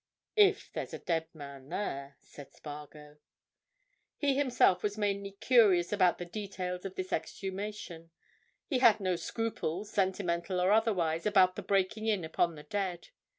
"If there is a dead man there," said Spargo. He himself was mainly curious about the details of this exhumation; he had no scruples, sentimental or otherwise, about the breaking in upon the dead.